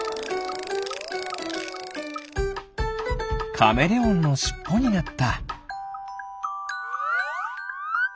カメレオンのしっぽになった。